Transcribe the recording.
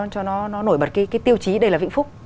cho nó nổi bật cái tiêu chí đây là vĩnh phúc